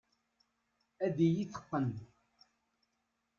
Ad iyi-teqqen.